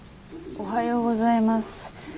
おはようございます。